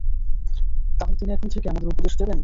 তাহলে তিনি এখন থেকে আমাদের উপদেশ দেবেন?